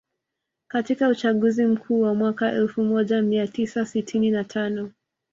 Katika uchaguzi Mkuu wa mwaka elfu moja mia tisa sitini na tano